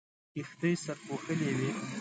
کښتۍ سرپوښلې وې.